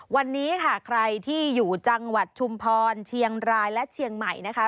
วันนี้ค่ะใครที่อยู่จังหวัดชุมพรเชียงรายและเชียงใหม่นะคะ